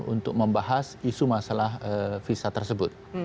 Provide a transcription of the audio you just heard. untuk membahas isu masalah visa tersebut